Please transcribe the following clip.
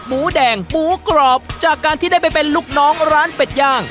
หมูแดงหมูกรอบจากการที่ได้ไปเป็นลูกน้องร้านเป็ดย่าง